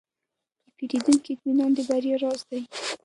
د پیرودونکو اطمینان د بریا راز دی.